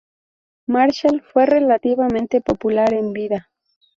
Marshall fue relativamente popular en vida.